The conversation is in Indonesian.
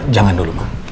jangan dulu ma